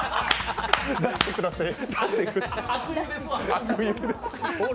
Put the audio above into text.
出してください